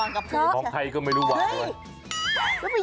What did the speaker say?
ของใครก็ไม่รู้ว่า